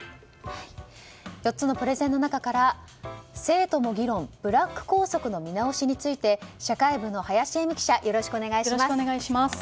４つのプレゼンの中から生徒も議論ブラック校則の見直しについて社会部の林英美記者よろしくお願いします。